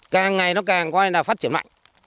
càng ngày nó càng quay lại phát triển mạnh